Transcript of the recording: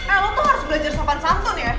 eh lo tuh harus belajar sopan santun ya